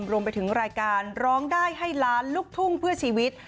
รวมไปถึงรายการร้องได้ให้ล้านลูกทุ่งเพื่อชีวิต